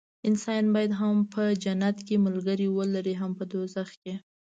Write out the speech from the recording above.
انسان باید هم په جنت کې ملګري ولري هم په دوزخ کې.